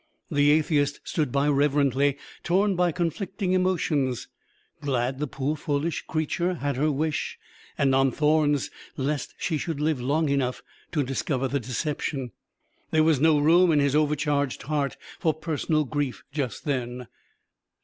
The atheist stood by reverently, torn by conflicting emotions; glad the poor foolish creature had her wish, and on thorns lest she should live long enough to discover the deception. There was no room in his overcharged heart for personal grief just then.